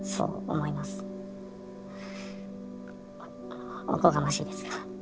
おこがましいですが。